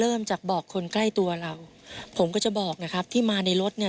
เริ่มจากบอกคนใกล้ตัวเราผมก็จะบอกนะครับที่มาในรถเนี่ย